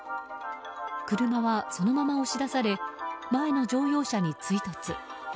車はそのまま押し出され前の乗用車に追突。